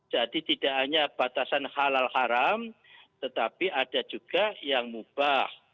jadi tidak hanya batasan halal haram tetapi ada juga yang mubah